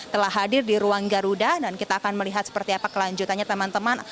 telah hadir di ruang garuda dan kita akan melihat seperti apa kelanjutannya teman teman